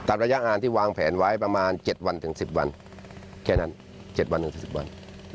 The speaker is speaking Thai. ระยะงานที่วางแผนไว้ประมาณ๗วันถึง๑๐วันแค่นั้น๗วันถึง๗๐วัน